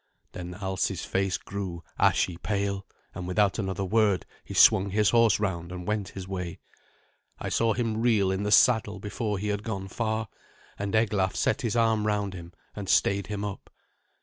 Then Alsi's face grew ashy pale, and without another word he swung his horse round and went his way. I saw him reel in the saddle before he had gone far, and Eglaf set his arm round him and stayed him up.